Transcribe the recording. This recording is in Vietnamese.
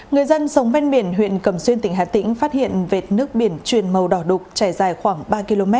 người dân sống ven biển huyện cầm xuyên tỉnh hà tĩnh phát hiện vệt nước biển truyền màu đỏ đục trải dài khoảng ba km